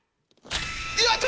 やった！